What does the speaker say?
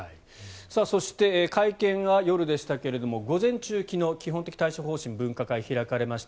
そして会見が夜でしたけれども午前中基本的対処方針が開かれました。